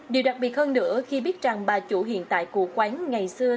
điều đặc biệt hơn nữa khi biết rằng bà chủ hiện tại của quán ngày xưa